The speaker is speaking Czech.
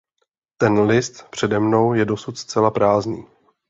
Ten list přede mnou je dosud zcela prázdný.